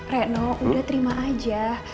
reno udah terima aja